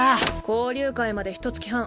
交流会までひと月半。